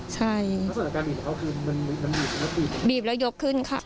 ใช่ส่วนจากการบีบเขาคือมันบีบแล้วยกขึ้นค่ะ